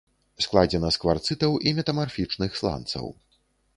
Складзена з кварцытаў і метамарфічных сланцаў.